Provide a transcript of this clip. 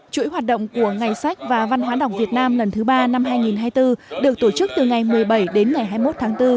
chuỗi hoạt động của ngày sách và văn hóa đọc việt nam lần thứ ba năm hai nghìn hai mươi bốn được tổ chức từ ngày một mươi bảy đến ngày hai mươi một tháng bốn